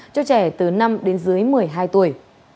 cho trẻ từ năm đến dưới một mươi hai tuổi